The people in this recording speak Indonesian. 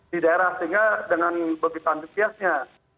di daerah sehingga dengan begitu antusiasnya